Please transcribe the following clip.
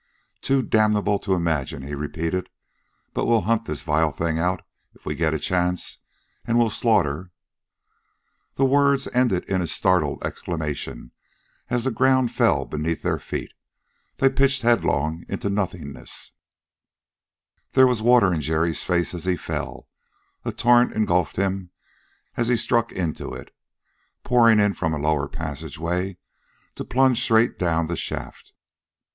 "Too damnable to imagine!" he repeated. "But we'll hunt the vile thing out if we get a chance, and we'll slaughter " The words ended in a startled exclamation as the ground fell beneath their feet. They pitched headlong into nothingness There was water in Jerry's face as he fell. A torrent engulfed him as he struck into it, pouring in from a lower passageway to plunge straight down the shaft.